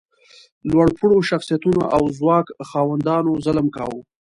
لوړ پوړو شخصیتونو او ځواک خاوندانو ظلم کاوه.